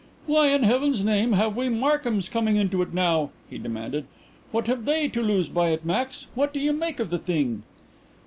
"Why in heaven's name have we Markhams coming into it now?" he demanded. "What have they to lose by it, Max? What do you make of the thing?"